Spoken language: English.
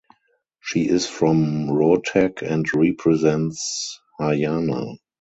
She is from Rohtak and represents Haryana.